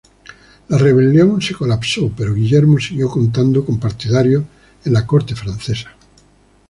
La rebelión se colapsó, pero Guillermo siguió contando con partidario en la corte francesa.